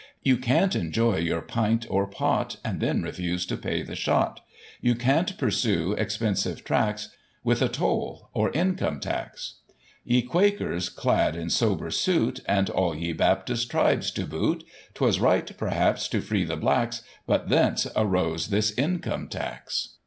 You can't enjoy your pint, or pot, And then refuse to pay the shot ; 13 Digitized by Google 194 GOSSIP. [1842 You can't pursue expensive tracks With a toll, or Income Tax. Ye Quakers, clad in sober suit. And all ye Baptist tribes to boot, 'Twas right, perhaps, to free the blacks. But, thence arose this Income Tax.